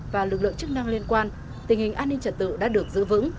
và lực lượng chức năng liên quan tình hình an ninh trật tự đã được giữ vững